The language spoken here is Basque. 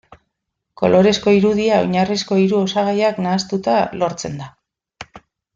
Kolorezko irudia oinarrizko hiru osagaiak nahastuta lortzen da.